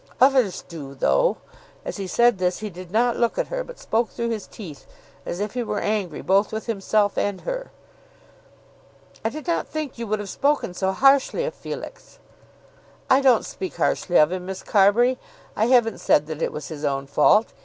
"Others do though." As he said this he did not look at her, but spoke through his teeth, as if he were angry both with himself and her. "I did not think you would have spoken so harshly of Felix." "I don't speak harshly of him, Miss Carbury. I haven't said that it was his own fault.